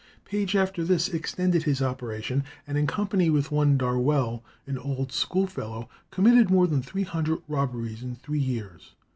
Page after this extended his operations, and in company with one Darwell, an old schoolfellow, committed more than three hundred robberies in three years.